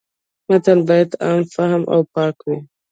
متن باید عام فهمه او پاک وي.